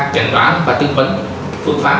chẳng đoán và tư vấn phương pháp